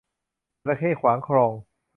จระเข้ขวางคลอง